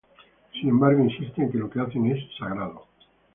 Sin embargo, insisten en que lo que hacen es sagrado.